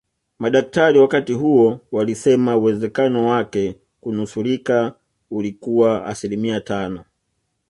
Madaktari wakati huo walisema uwezekano wake kunusurika ulikuwa asilimia tano